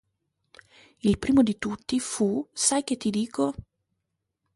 Il primo di tutti fu "Sai che ti dico?